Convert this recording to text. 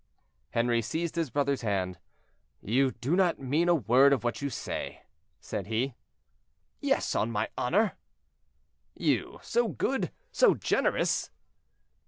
'" Henri seized his brother's hand. "You do not mean a word of what you say," said he. "Yes, on my honor." "You, so good—so generous!"